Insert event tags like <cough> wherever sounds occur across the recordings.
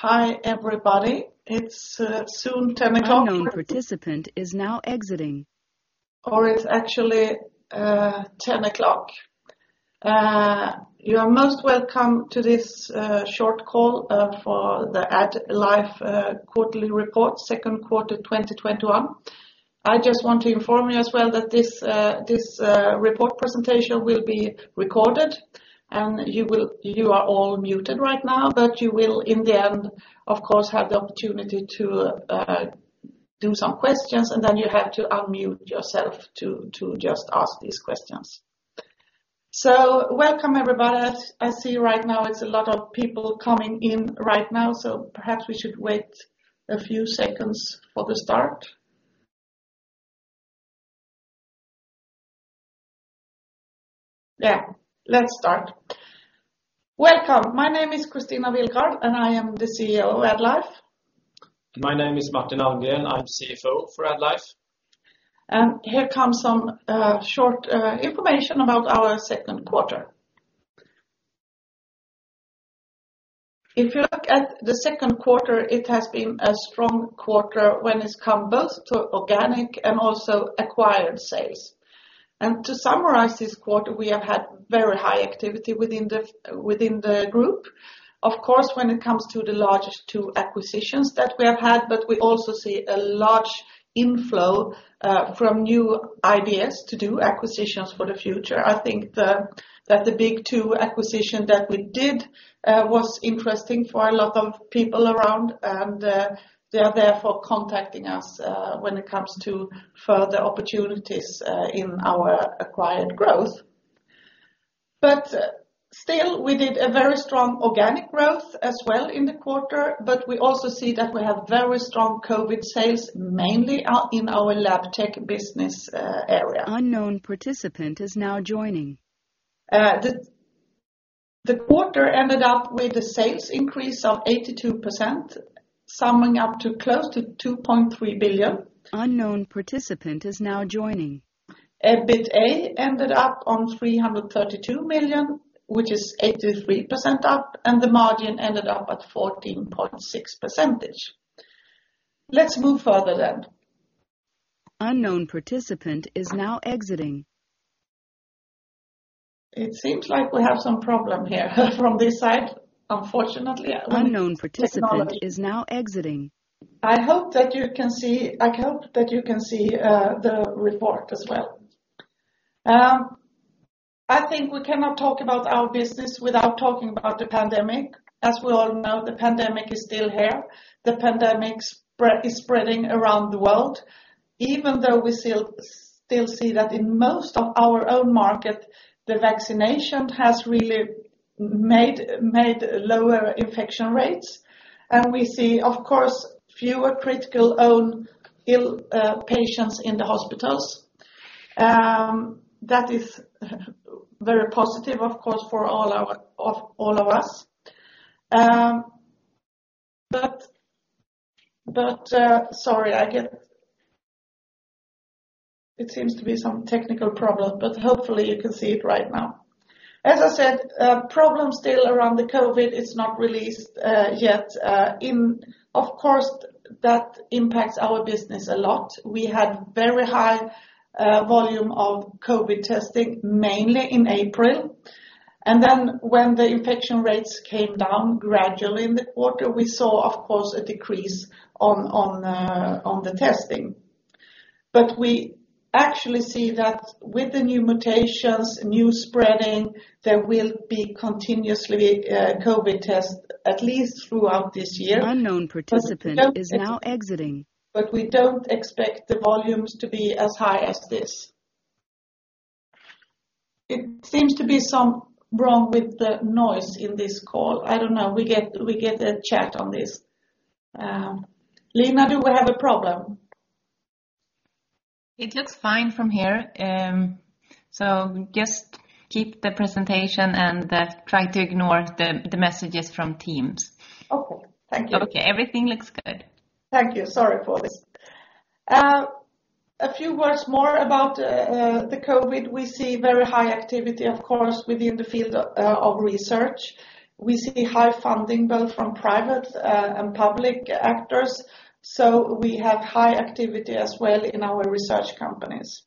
Hi everybody. It's soon 10:00 o'clock. It's actually 10:00 o'clock. You are most welcome to this short call for the AddLife quarterly report second quarter 2021. I just want to inform you as well that this report presentation will be recorded, and you are all muted right now, but you will, in the end, of course, have the opportunity to do some questions, and then you have to unmute yourself to just ask these questions. Welcome everybody. I see right now it's a lot of people coming in right now, so perhaps we should wait a few seconds for the start. Yeah, let's start. Welcome. My name is Kristina Willgård, and I am the CEO of AddLife. My name is Martin Almgren. I'm CFO for AddLife. Here comes some short information about our second quarter. If you look at the second quarter, it has been a strong quarter when it's come both to organic and also acquired sales. To summarize this quarter, we have had very high activity within the group, of course, when it comes to the largest two acquisitions that we have had, but we also see a large inflow from new ideas to do acquisitions for the future. I think that the big two acquisitions that we did was interesting for a lot of people around, and they are therefore contacting us when it comes to further opportunities in our acquired growth. Still, we did a very strong organic growth as well in the quarter, but we also see that we have very strong COVID sales, mainly in our Labtech business area. The quarter ended up with a sales increase of 82%, summing up to close to 2.3 billion. EBITA ended up on 332 million, which is 83% up, and the margin ended up at 14.6%. Let's move further then. It seems like we have some problem here from this side. <inaudible> I hope that you can see the report as well. I think we cannot talk about our business without talking about the pandemic. As we all know, the pandemic is still here. The pandemic is spreading around the world, we still see that in most of our own market, the vaccination has really made lower infection rates. We see, of course, fewer critically ill patients in the hospitals. That is very positive, of course, for all of us. Sorry, it seems to be some technical problem, but hopefully you can see it right now. As I said, problem still around the COVID, it's not eased yet. Of course, that impacts our business a lot. We had very high volume of COVID testing, mainly in April. When the infection rates came down gradually in the quarter, we saw, of course, a decrease on the testing. We actually see that with the new mutations, new spreading, there will be continuously COVID test at least throughout this year. We don't expect the volumes to be as high as this. It seems to be something wrong with the noise in this call. I don't know. We get a chat on this. Lena, do we have a problem? It looks fine from here, so just keep the presentation and try to ignore the messages from Teams. Okay, thank you. Okay, everything looks good. Thank you. Sorry for this. A few words more about the COVID. We see very high activity, of course, within the field of research. We see high funding both from private and public actors, so we have high activity as well in our research companies.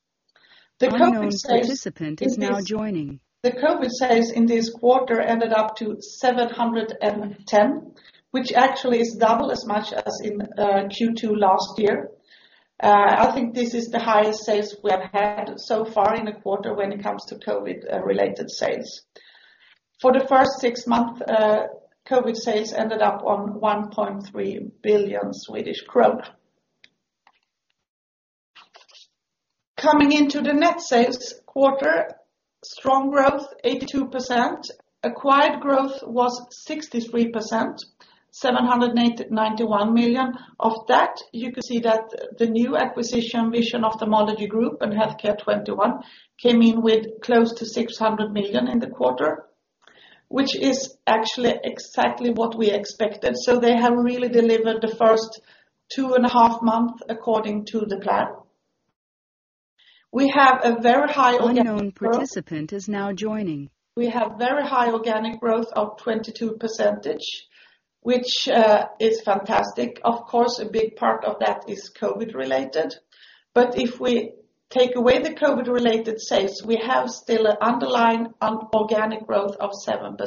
The COVID <crosstalk> The COVID sales in this quarter ended up to 710, which actually is double as much as in Q2 last year. I think this is the highest sales we have had so far in the quarter when it comes to COVID-related sales. For the first six months, COVID sales ended up on 1.3 billion Swedish kronor. Coming into the net sales quarter, strong growth, 82%. Acquired growth was 63%, 791 million of that, you could see that the new acquisition, Vision Ophthalmology Group and Healthcare 21, came in with close to 600 million in the quarter, which is actually exactly what we expected. They have really delivered the first two and a half month according to the plan. We have a very high <crosstalk> We have very high organic growth of 22%, which is fantastic. Of course, a big part of that is COVID related. If we take away the COVID related sales, we have still an underlying organic growth of 7%,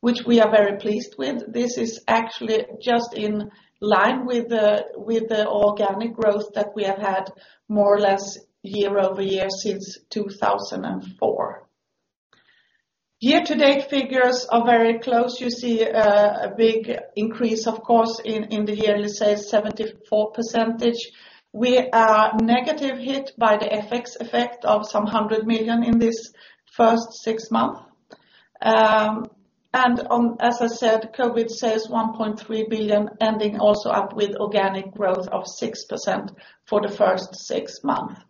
which we are very pleased with. This is actually just in line with the organic growth that we have had more or less year-over-year since 2004. Year to date figures are very close. You see a big increase, of course, in the yearly sales, 74%. We are negatively hit by the FX effect of 100 million in this first six months. As I said, COVID sales 1.3 billion, ending also up with organic growth of 6% for the first six months.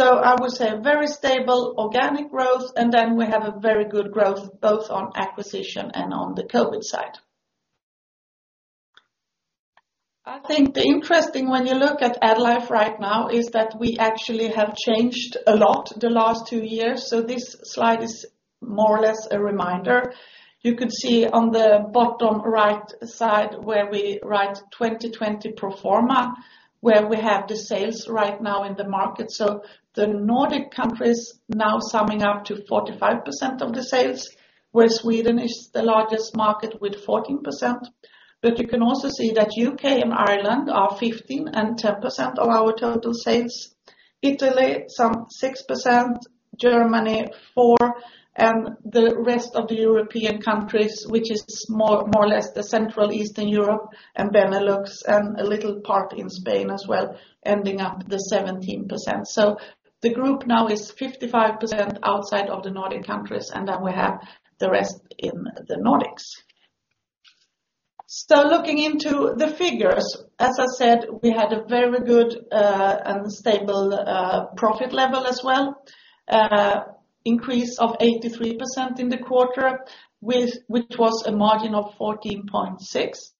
I would say a very stable organic growth, and then we have a very good growth both on acquisition and on the COVID side. I think the interesting when you look at AddLife right now is that we actually have changed a lot the last two years. This slide is more or less a reminder. You could see on the bottom right side where we write 2020 pro forma, where we have the sales right now in the market. The Nordic countries now summing up to 45% of the sales, where Sweden is the largest market with 14%. You can also see that U.K. and Ireland are 15% and 10% of our total sales. Italy, some 6%, Germany, 4%, and the rest of the European countries, which is more or less the Central Eastern Europe and Benelux, and a little part in Spain as well, ending up with the 17%. The group now is 55% outside of the Nordic countries, and then we have the rest in the Nordics. Looking into the figures, as I said, we had a very good and stable profit level as well, increase of 83% in the quarter, which was a margin of 14.6%.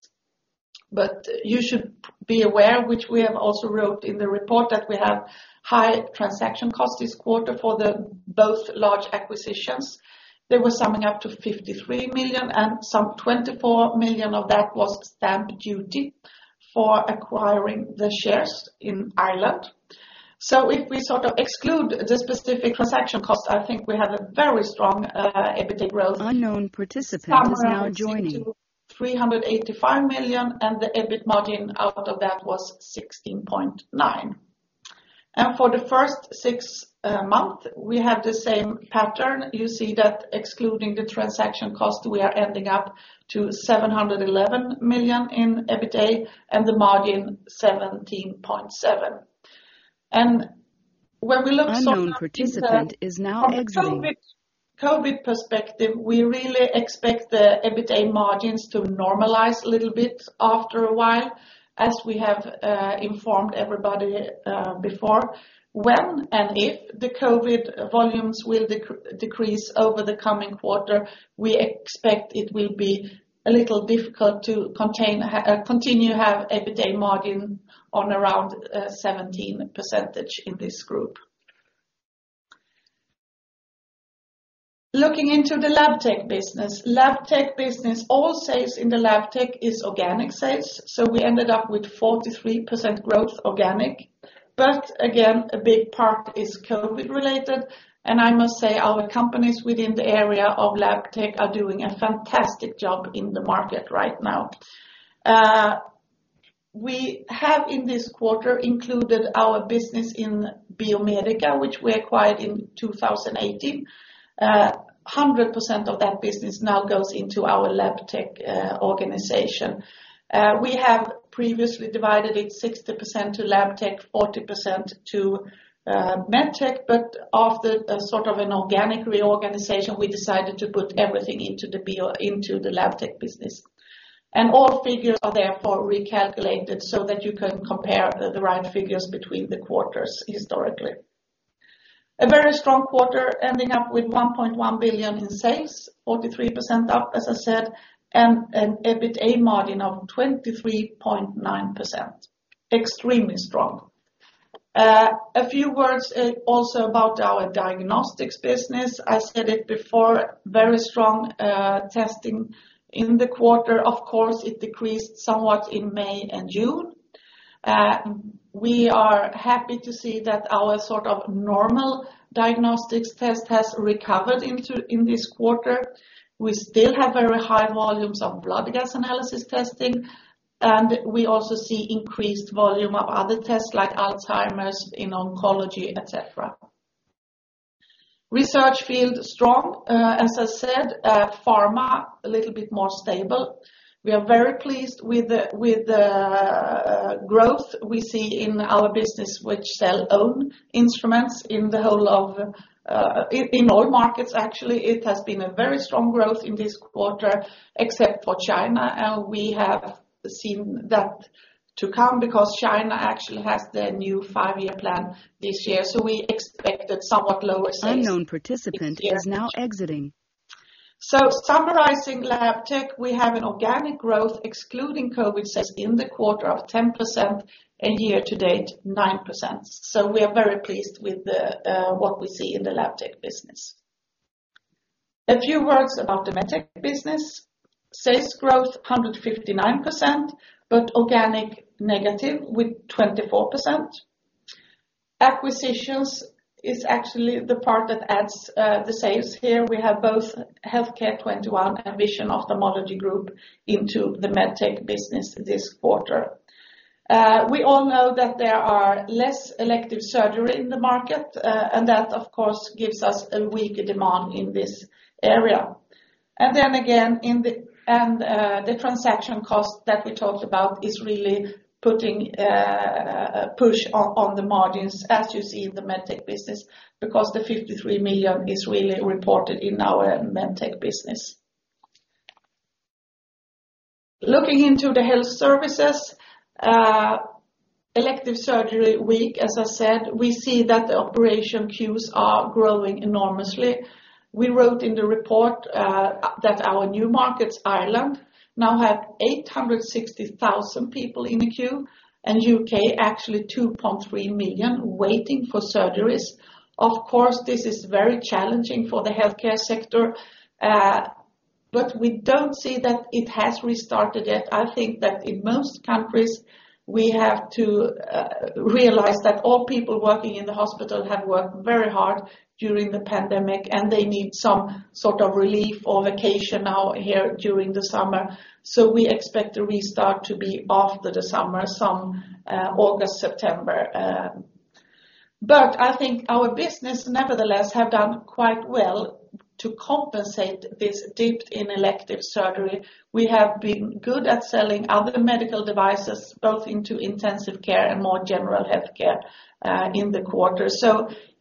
You should be aware, which we have also written in the report, that we have high transaction costs this quarter for the both large acquisitions. They were summing up to 53 million, and some 24 million of that was stamp duty for acquiring the shares in Ireland. If we sort of exclude the specific transaction cost, I think we have a very strong EBITDA growth <crosstalk> 385 million and the EBIT margin out of that was 16.9%. For the first six months, we have the same pattern. You see that excluding the transaction cost, we are ending up to 711 million in EBITDA and the margin 17.7%. When we look sort <crosstalk> the COVID perspective, we really expect the EBITDA margins to normalize a little bit after a while, as we have informed everybody before. When and if the COVID volumes will decrease over the coming quarter, we expect it will be a little difficult to continue to have EBITDA margin on around 17% in this group. Looking into the Labtech business. Labtech business, all sales in the Labtech is organic sales. We ended up with 43% growth organic. Again, a big part is COVID related, and I must say our companies within the area of Labtech are doing a fantastic job in the market right now. We have, in this quarter, included our business in Biomedica, which we acquired in 2018. 100% of that business now goes into our Labtech organization. We have previously divided it 60% to Labtech, 40% to Medtech, but after sort of an organic reorganization, we decided to put everything into the Labtech business. All figures are therefore recalculated so that you can compare the right figures between the quarters historically. A very strong quarter ending up with 1.1 billion in sales, 43% up, as I said, and an EBITDA margin of 23.9%. Extremely strong. A few words also about our diagnostics business. I said it before, very strong testing in the quarter. Of course, it decreased somewhat in May and June. We are happy to see that our sort of normal diagnostics test has recovered in this quarter. We still have very high volumes of blood gas analysis testing, and we also see increased volume of other tests like Alzheimer's in oncology, et cetera. Research field, strong. As I said, pharma, a little bit more stable. We are very pleased with the growth we see in our business which sell own instruments in all markets, actually. It has been a very strong growth in this quarter, except for China. We have seen that to come because China actually has their new five-year plan this year. We expect somewhat lower <crosstalk> Summarizing Labtech, we have an organic growth excluding COVID tests in the quarter of 10% and year to date 9%. We are very pleased with what we see in the Labtech business. A few words about the Medtech business. Sales growth 159%, but organic negative with 24%. Acquisitions is actually the part that adds the sales here. We have both Healthcare 21 and Vision Ophthalmology Group into the Medtech business this quarter. We all know that there are less elective surgery in the market, and that of course, gives us a weaker demand in this area. The transaction cost that we talked about is really putting a push on the margins as you see in the Medtech business because the 53 million is really reported in our Medtech business. Looking into the health services, elective surgery week, as I said, we see that the operation queues are growing enormously. We wrote in the report, that our new markets, Ireland, now have 860,000 people in the queue, and U.K. actually 2.3 million waiting for surgeries. Of course, this is very challenging for the healthcare sector, but we don't see that it has restarted yet. I think that in most countries, we have to realize that all people working in the hospital have worked very hard during the pandemic, and they need some sort of relief or vacation now here during the summer. We expect the restart to be after the summer, so August, September. I think our business nevertheless has done quite well to compensate this dip in elective surgery. We have been good at selling other medical devices both into intensive care and more general healthcare, in the quarter.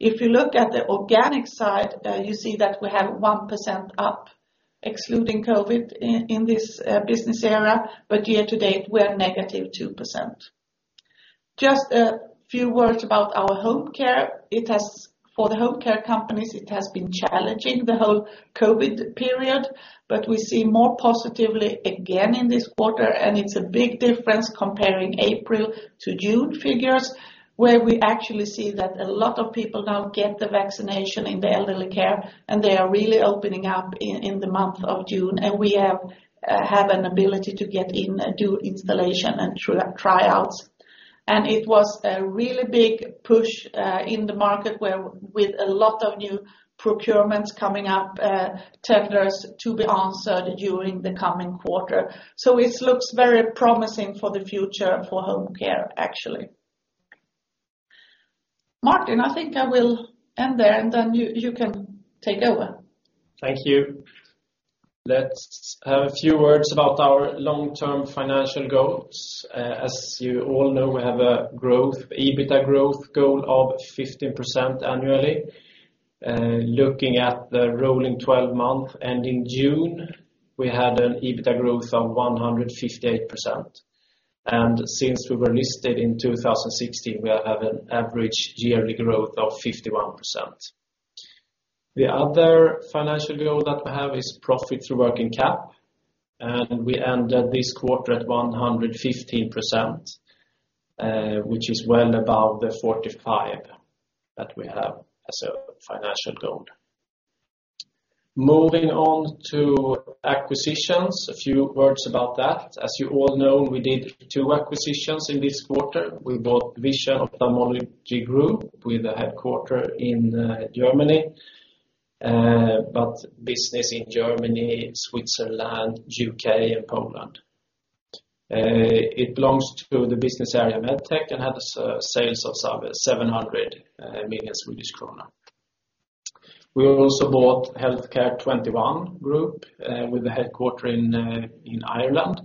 If you look at the organic side, you see that we have 1% up excluding COVID in this business area. Here to date, we are negative 2%. Just a few words about our home care. For the home care companies, it has been challenging the whole COVID period, but we see more positively again in this quarter, and it's a big difference comparing April to June figures, where we actually see that a lot of people now get the vaccination in the elderly care, and they are really opening up in the month of June. We have an ability to get in and do installation and trials. it was a really big push in the market where with a lot of new procurements coming up, tenders to be answered during the coming quarter. it looks very promising for the future for home care, actually. Martin, I think I will end there, and then you can take over. Thank you. Let's have a few words about our long-term financial goals. As you all know, we have an EBITDA growth goal of 15% annually. Looking at the rolling 12 months ending June, we have an EBITDA growth of 158%. Since we were listed in 2016, we have had an average yearly growth of 51%. The other financial goal that we have is profit to working capital, and we ended this quarter at 115%, which is well above the 45 that we have as a financial goal. Moving on to acquisitions, a few words about that. As you all know, we did two acquisitions this quarter. We bought Vision Ophthalmology Group with a headquarter in Germany, but business in Germany, Switzerland, U.K., and Poland. It belongs to the business area Medtech and has sales of 700 million Swedish krona. We also bought Healthcare 21 Group, with the headquarters in Ireland.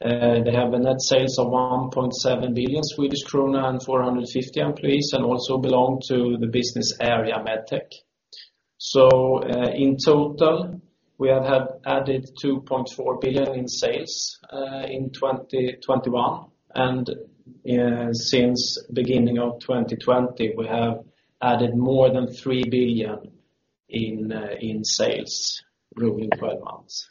They have a net sales of 1.7 billion Swedish krona and 450 employees and also belong to the business area Medtech. In total, we have added 2.4 billion in sales in 2021. Since the beginning of 2020, we have added more than 3 billion in sales rolling 12 months.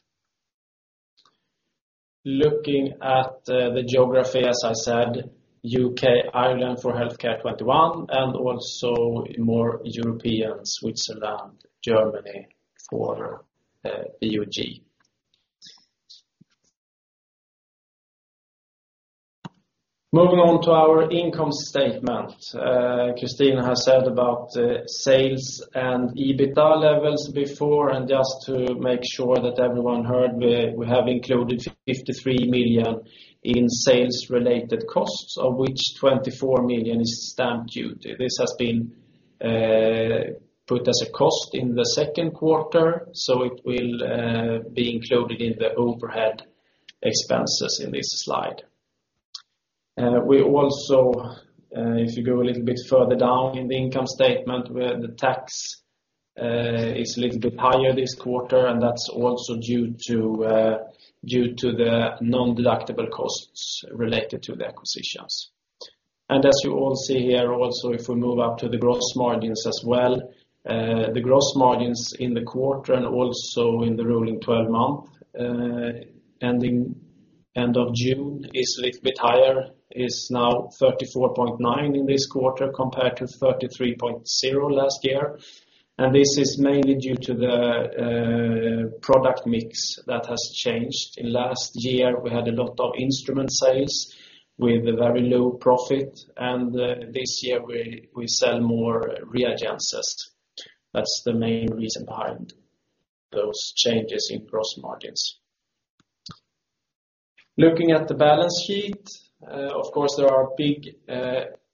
Looking at the geography, as I said, U.K., Ireland for Healthcare 21, and also more European, Switzerland, Germany for VOG. Moving on to our income statement. Kristina has said about the sales and EBITDA levels before, and just to make sure that everyone heard, we have included 53 million in sales-related costs, of which 24 million is stamp duty. This has been put as a cost in the second quarter, so it will be included in the overhead expenses in this slide. We also, if you go a little bit further down in the income statement where the tax is a little bit higher this quarter, and that's also due to the non-deductible costs related to the acquisitions. As you all see here also, if we move up to the gross margins as well, the gross margins in the quarter and also in the rolling 12 month end of June is a little bit higher. It is now 34.9 in this quarter compared to 33.0 last year. This is mainly due to the product mix that has changed. In last year, we had a lot of instrument sales with a very low profit, and this year we sell more reagents. That's the main reason behind those changes in gross margins. Looking at the balance sheet, of course, there are big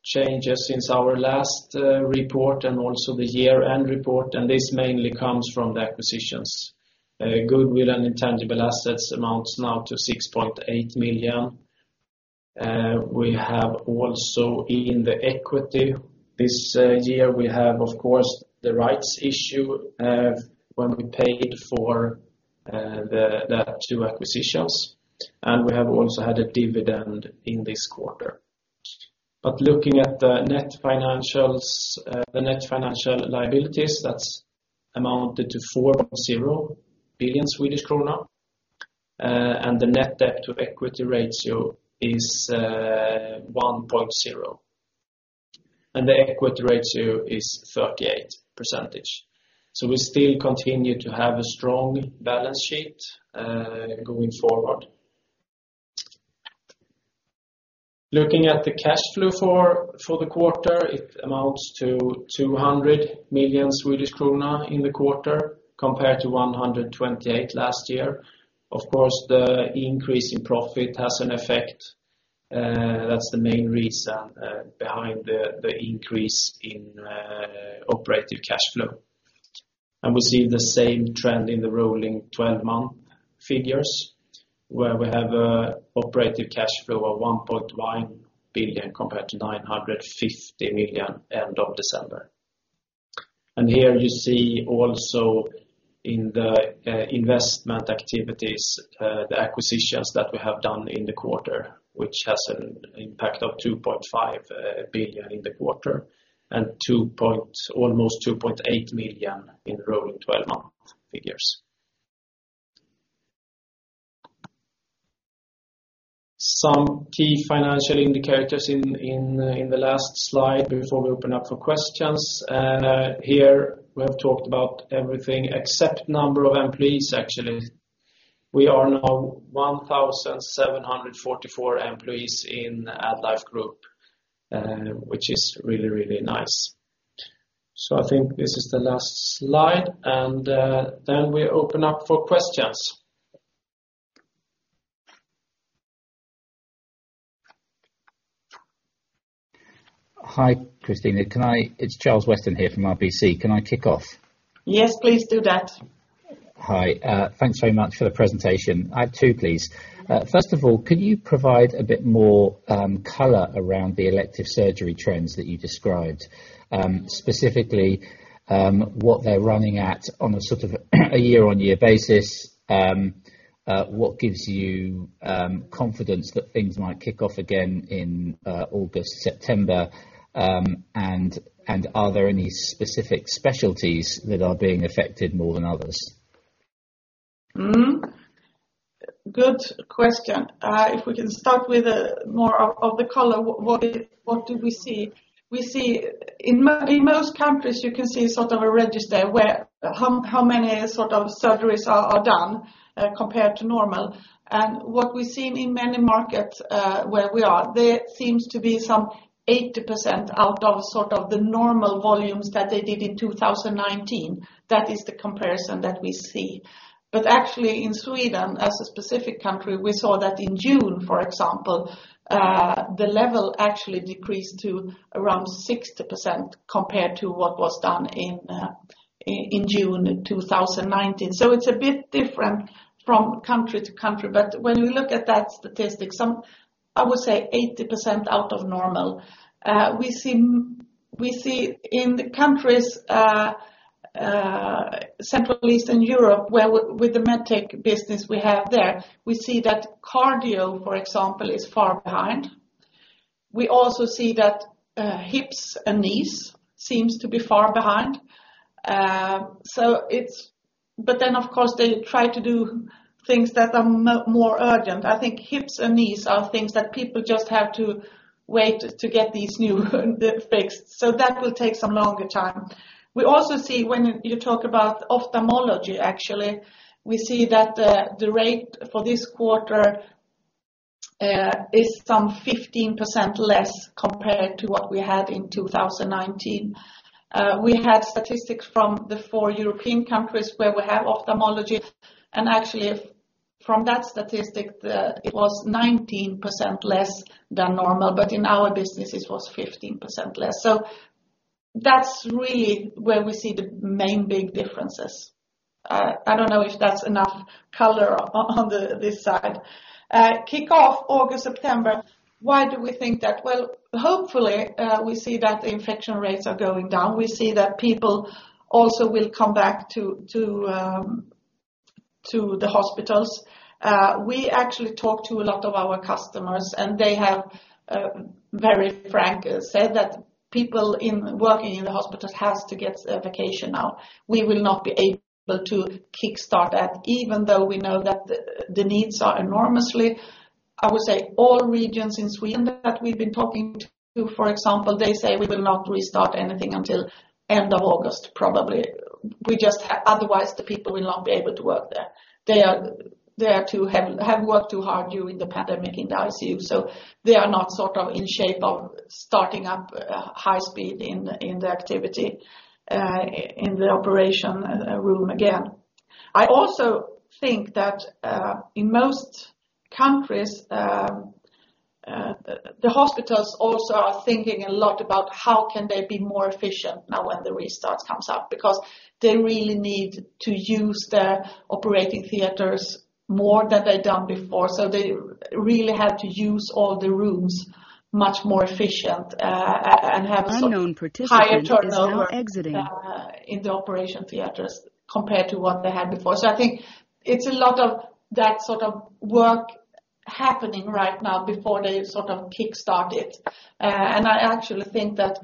changes since our last report and also the year-end report, and this mainly comes from the acquisitions. Goodwill and intangible assets amounts now to 6.8 million. We have also in the equity this year, we have, of course, the rights issue, when we paid for the two acquisitions. We have also had a dividend in this quarter. Looking at the net financial liabilities, that's amounted to 4.0 billion Swedish krona. The net debt to equity ratio is 1.0. The equity ratio is 38%. We still continue to have a strong balance sheet, going forward. Looking at the cash flow for the quarter, it amounts to 200 million Swedish krona in the quarter compared to 128 million last year. Of course, the increase in profit has an effect. That's the main reason behind the increase in operative cash flow. We see the same trend in the rolling 12-month figures, where we have operative cash flow of 1.1 billion compared to 950 million end of December. Here you see also in the investment activities, the acquisitions that we have done in the quarter, which has an impact of 2.5 billion in the quarter and almost 2.8 million in rolling 12 month figures. Some key financial indicators in the last slide before we open up for questions. Here we have talked about everything except number of employees, actually. We are now 1,744 employees in AddLife Group, which is really, really nice. I think this is the last slide, and then we open up for questions. Hi, Kristina. It's Charles Weston here from RBC. Can I kick off? Yes, please do that. Hi. Thanks very much for the presentation. I have two, please. First of all, can you provide a bit more color around the elective surgery trends that you described? Specifically, what they're running at on a year-over-year basis, what gives you confidence that things might kick off again in August, September, and are there any specific specialties that are being affected more than others? Good question. If we can start with more of the color, what do we see? We see in most countries you can see a register where how many surgeries are done compared to normal. What we see in many markets where we are, there seems to be some 80% out of the normal volumes that they did in 2019. That is the comparison that we see. Actually in Sweden as a specific country, we saw that in June, for example, the level actually decreased to around 60% compared to what was done in June 2019. It's a bit different from country to country. When we look at that statistic, I would say 80% out of normal. We see in the countries Central Eastern Europe with the Medtech business we have there, we see that cardio, for example, is far behind. We also see that hips and knees seems to be far behind. Of course, they try to do things that are more urgent. I think hips and knees are things that people just have to wait to get these new fixed. That will take some longer time. We also see when you talk about ophthalmology, actually, we see that the rate for this quarter is some 15% less compared to what we had in 2019. We had statistics from the four European countries where we have ophthalmology, and actually from that statistic, it was 19% less than normal, but in our business it was 15% less. That's really where we see the main big differences. I don't know if that's enough color on this side. Kick off August, September. Why do we think that? Well, hopefully, we see that the infection rates are going down. We see that people also will come back to the hospitals. We actually talk to a lot of our customers, and they have very frankly said that people working in the hospitals has to get a vacation now. We will not be able to kickstart that, even though we know that the needs are enormously. I would say all regions in Sweden that we've been talking to, for example, they say we will not restart anything until end of August, probably. Otherwise, the people will not be able to work there. They have worked too hard during the pandemic in the ICU, so they are not in shape of starting up high speed in the activity in the operation room again. I also think that in most countries, the hospitals also are thinking a lot about how can they be more efficient now when the restart comes up, because they really need to use the operating theaters more than they've done before. They really have to use all the rooms much more efficient, and have sort <inaudible> higher turnover in the operation theaters compared to what they had before. I think it's a lot of that sort of work happening right now before they sort of kickstart it. I actually think that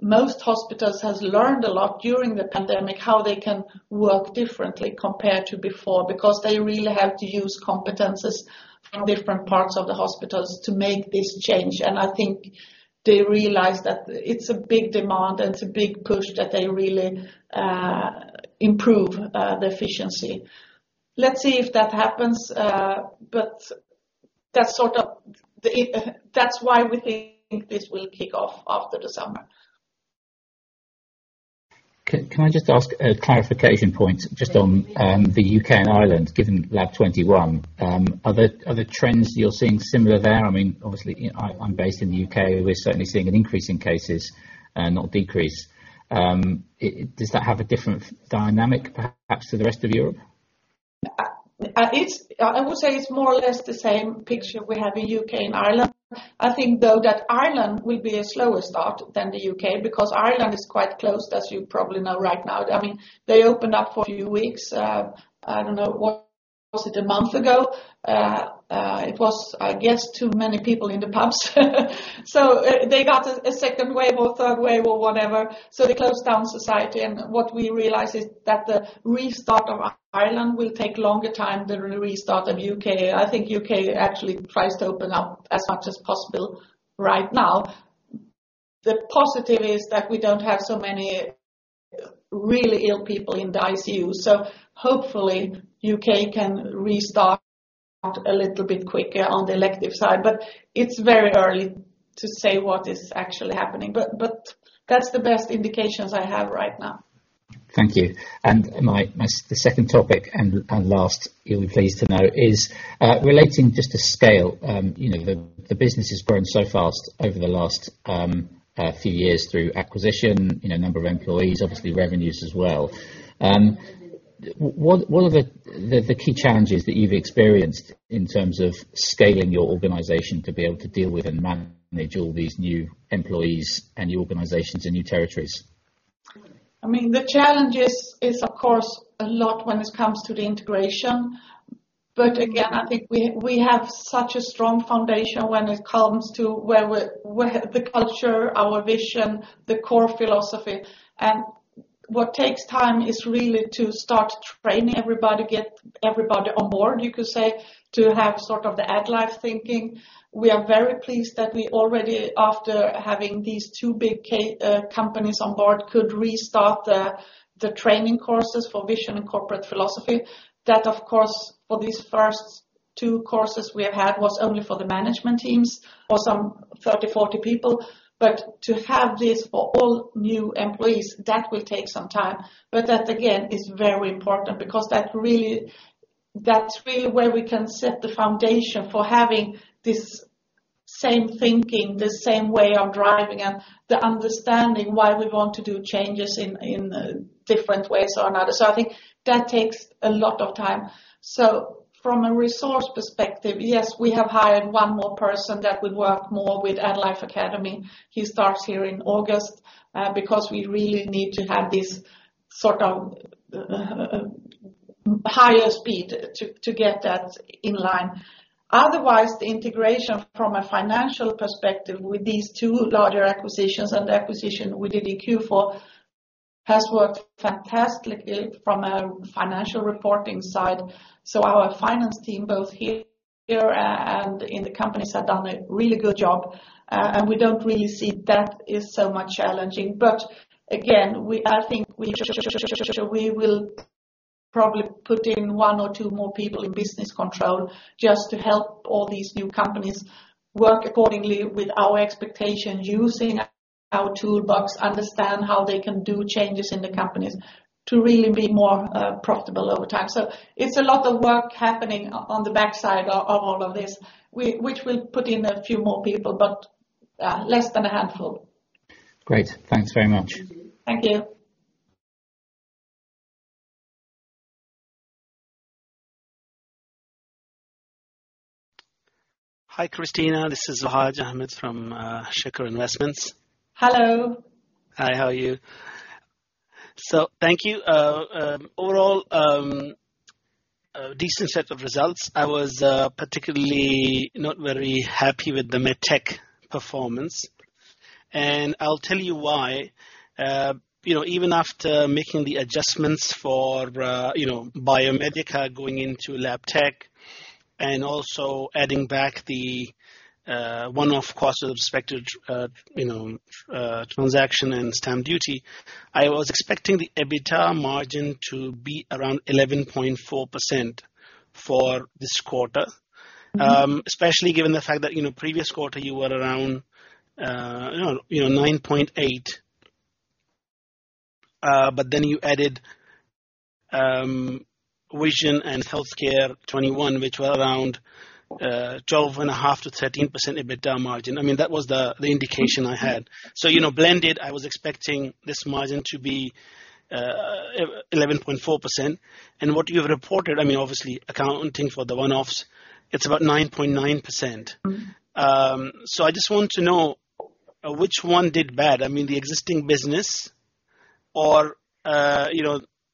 most hospitals has learned a lot during the pandemic how they can work differently compared to before, because they really have to use competences from different parts of the hospitals to make this change. I think they realize that it's a big demand, and it's a big push that they really improve the efficiency. Let's see if that happens, but that's why we think this will kick off after the summer. Can I just ask a clarification point just on the U.K. and Ireland, given Healthcare 21. Are the trends you're seeing similar there? Obviously, I'm based in the U.K. We're certainly seeing an increase in cases, not decrease. Does that have a different dynamic, perhaps, to the rest of Europe? I would say it's more or less the same picture we have in U.K. and Ireland. I think, though, that Ireland will be a slower start than the U.K., because Ireland is quite closed, as you probably know right now. They opened up for a few weeks, I don't know, what was it, a month ago? It was, I guess, too many people in the pubs. They got a second wave or third wave or whatever, so they closed down society, and what we realize is that the restart of Ireland will take longer time than the restart of U.K. I think U.K. actually tries to open up as much as possible right now. The positive is that we don't have so many really ill people in the ICU. Hopefully, U.K. can restart a little bit quicker on the elective side. It's very early to say what is actually happening. That's the best indications I have right now. Thank you. The second topic, and last you'll be pleased to know, is relating just to scale. The business has grown so fast over the last few years through acquisition, number of employees, obviously revenues as well. What are the key challenges that you've experienced in terms of scaling your organization to be able to deal with and manage all these new employees and new organizations and new territories? The challenge is, of course, a lot when it comes to the integration. Again, I think we have such a strong foundation when it comes to the culture, our vision, the core philosophy. What takes time is really to start training everybody, get everybody on board, you could say, to have sort of the AddLife thinking. We are very pleased that we already, after having these two big companies on board, could restart the training courses for vision and corporate philosophy. That, of course, for these first two courses we had, was only for the management teams, or some 30, 40 people. To have this for all new employees, that will take some time. That, again, is very important because that's really where we can set the foundation for having this same thinking, the same way of driving, and the understanding why we want to do changes in different ways or another. I think that takes a lot of time. From a resource perspective, yes, we have hired one more person that will work more with AddLife Academy. He starts here in August. Because we really need to have this sort of higher speed to get that in line. Otherwise, the integration from a financial perspective with these two larger acquisitions, and the acquisition we did in Q4, has worked fantastically from a financial reporting side. Our finance team, both here and in the companies, have done a really good job. We don't really see that as so much challenging. Again, I think we will probably put in one or two more people in business control just to help all these new companies work accordingly with our expectation using our toolbox, understand how they can do changes in the companies to really be more profitable over time. It's a lot of work happening on the backside of all of this, which we'll put in a few more people, but less than a handful. Great. Thanks very much. Thank you. Hi, Kristina. This is Zahid Ahmed from Shaker Investments. Hello. Hi, how are you? Thank you. Overall, a decent set of results. I was particularly not very happy with the Medtech performance, and I'll tell you why. Even after making the adjustments for Biomedica going into Labtech, and also adding back the one-off cost of the expected transaction and stamp duty, I was expecting the EBITDA margin to be around 11.4% for this quarter. Especially given the fact that previous quarter you were around 9.8. You added Vision and Healthcare 21, which were around 12.5%-13% EBITDA margin. That was the indication I had. Blended, I was expecting this margin to be 11.4%. What you have reported, obviously accounting for the one-offs, it's about 9.9%. I just want to know which one did bad, the existing business or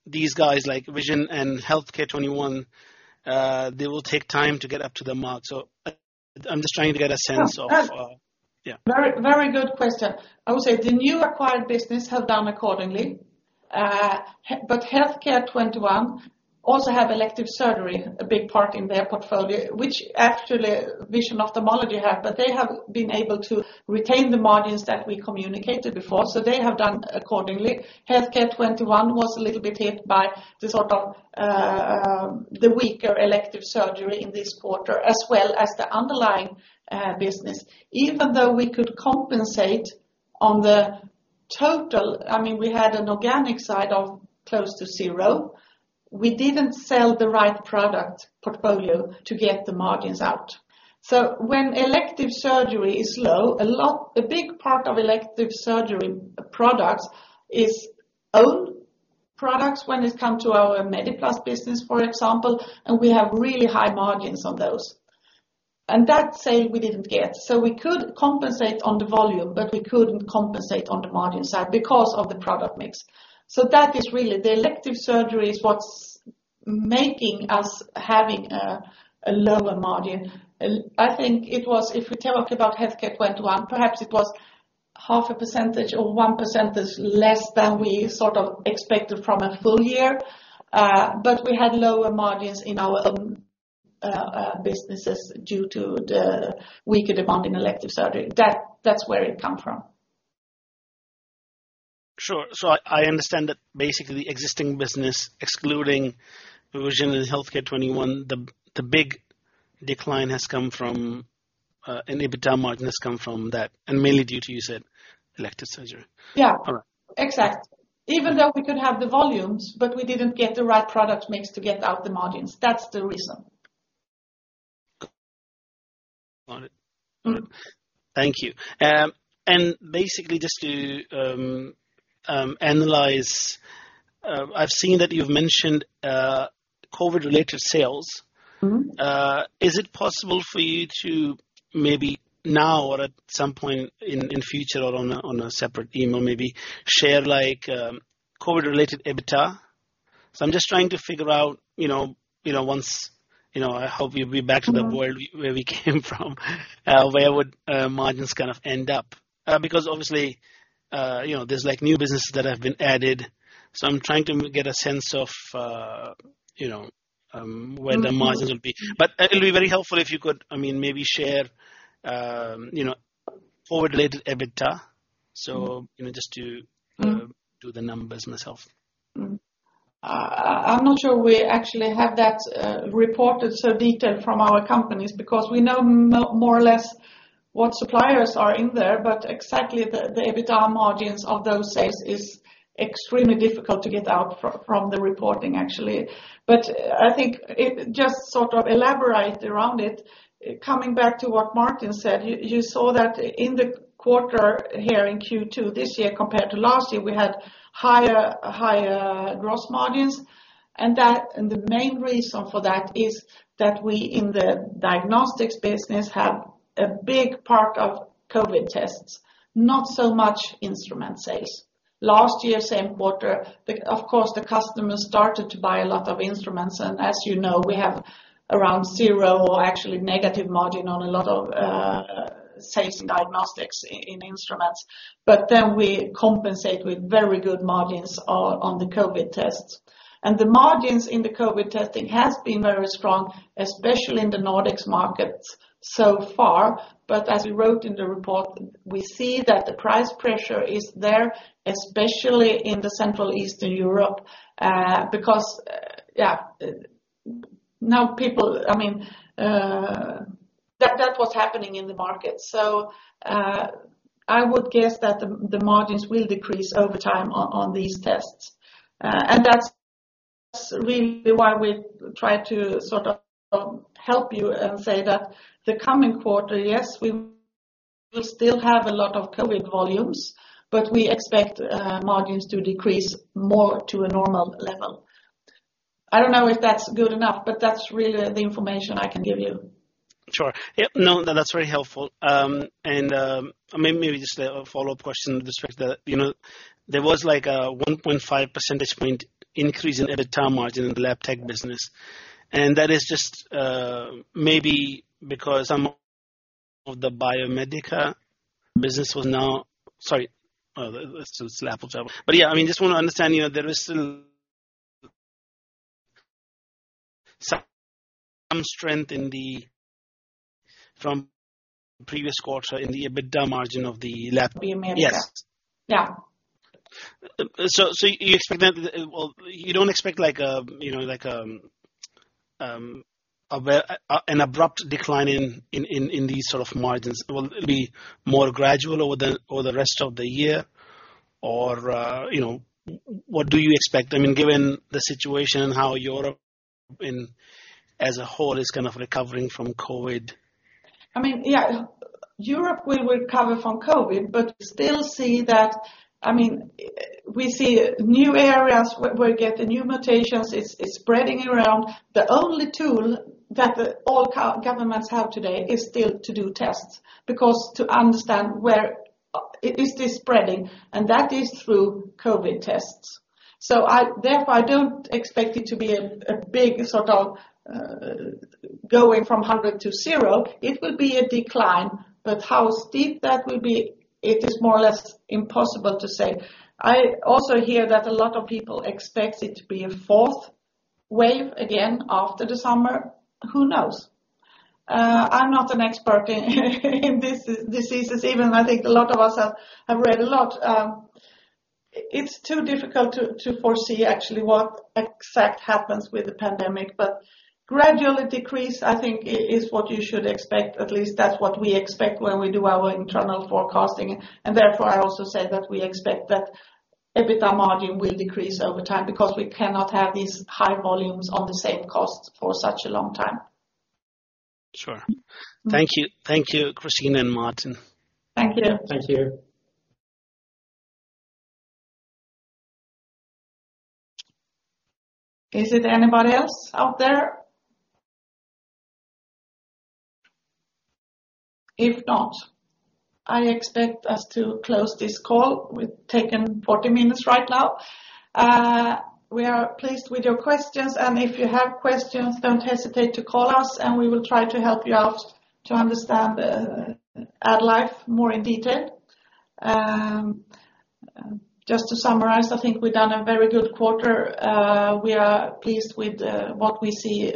these guys like Vision and Healthcare 21, they will take time to get up to the mark. I'm just trying to get a sense of. Yeah. Very good question. I would say the new acquired business have done accordingly. Healthcare 21 also have elective surgery, a big part in their portfolio, which actually Vision Ophthalmology have, but they have been able to retain the margins that we communicated before. They have done accordingly. Healthcare 21 was a little bit hit by the weaker elective surgery in this quarter, as well as the underlying business. Even though we could compensate on the total, we had an organic side of close to zero. We didn't sell the right product portfolio to get the margins out. When elective surgery is low, a big part of elective surgery products is own products when it come to our Mediplast business, for example, and we have really high margins on those. That sale we didn't get, so we could compensate on the volume, but we couldn't compensate on the margin side because of the product mix. That is really, the elective surgery is what's making us having a lower margin. I think if we talk about Healthcare 21, perhaps it was half a percentage or 1% less than we expected from a full year. We had lower margins in our own businesses due to the weaker demand in elective surgery. That's where it come from. Sure. I understand that basically existing business, excluding Vision and Healthcare 21, the big decline and EBITDA margin has come from that, and mainly due to, you said, elective surgery. Yeah. All right. Exactly. Even though we could have the volumes, but we didn't get the right product mix to get out the margins. That's the reason. Got it. Thank you. Basically just to analyze, I've seen that you've mentioned COVID-related sales. Is it possible for you to maybe now or at some point in future or on a separate email, maybe share COVID-related EBITDA? I'm just trying to figure out once, I hope we'll be back to the world where we came from, where would margins end up? Obviously there's new businesses that have been added. I'm trying to get a sense of where the margins will be. It'll be very helpful if you could, maybe share COVID-related EBITDA, just to do the numbers myself. I'm not sure we actually have that reported so detailed from our companies because we know more or less what suppliers are in there, but exactly the EBITDA margins of those sales is extremely difficult to get out from the reporting actually. I think it just elaborate around it, coming back to what Martin said, you saw that in the quarter here in Q2 this year compared to last year, we had higher gross margins, and the main reason for that is that we in the diagnostics business have a big part of COVID tests, not so much instrument sales. Last year same quarter, of course, the customers started to buy a lot of instruments, and as you know, we have around zero or actually negative margin on a lot of sales in diagnostics in instruments. We compensate with very good margins on the COVID tests. The margins in the COVID testing has been very strong, especially in the Nordics markets so far. As we wrote in the report, we see that the price pressure is there, especially in Central Eastern Europe, because now people know what's happening in the market. I would guess that the margins will decrease over time on these tests. That's really why we try to help you and say that the coming quarter, yes, we still have a lot of COVID volumes, but we expect margins to decrease more to a normal level. I don't know if that's good enough, but that's really the information I can give you. Sure. No, that's very helpful. Maybe just a follow-up question with respect to, there was a 1.5 percentage point increase in EBITDA margin in the Labtech business, and that is just maybe because some of the Biomedica business was now sorry. This is Labtech overall. Yeah, just want to understand there <inaudible> strength from previous quarter in the EBITDA margin of the. <crosstalk> Biomedica. Yes. Yeah. You don't expect an abrupt decline in these sort of margins. Will it be more gradual over the rest of the year, or what do you expect, given the situation, how Europe as a whole is kind of recovering from COVID? Yeah. Europe will recover from COVID, but we see new areas where we get the new mutations. It's spreading around. The only tool that all governments have today is still to do tests, because to understand where is this spreading, and that is through COVID tests. Therefore, I don't expect it to be a big sort of going from 100-0. It will be a decline, but how steep that will be, it is more or less impossible to say. I also hear that a lot of people expect it to be a fourth wave again after the summer. Who knows? I'm not an expert in these diseases, even I think a lot of us have read a lot. It's too difficult to foresee actually what exact happens with the pandemic. Gradually decrease, I think, is what you should expect. At least that's what we expect when we do our internal forecasting. Therefore, I also say that we expect that EBITDA margin will decrease over time, because we cannot have these high volumes on the same costs for such a long time. Sure. Thank you, Kristina and Martin. Thank you. Thank you. Is it anybody else out there? If not, I expect us to close this call. We've taken 40 minutes right now. We are pleased with your questions, and if you have questions, don't hesitate to call us, and we will try to help you out to understand AddLife more in detail. Just to summarize, I think we've done a very good quarter. We are pleased with what we see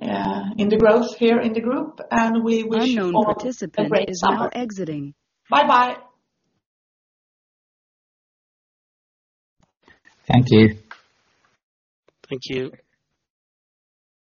in the growth here in the group, and we wish <crosstalk> Bye-bye. Thank you. Thank you.